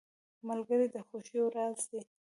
ملګری د خوښیو راز دی.